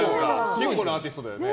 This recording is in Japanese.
結構なアーティストだよね。